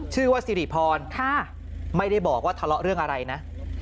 ชื่อว่าสิริพรไม่ได้บอกว่าทะเลาะเรื่องอะไรนะ